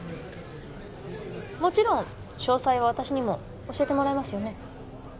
もちろん詳細は私にも教えてもらえますよね？